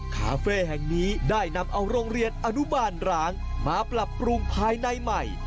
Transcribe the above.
คาเฟ่แห่งนี้ได้นำเอาโรงเรียนอนุบาลร้างมาปรับปรุงภายในใหม่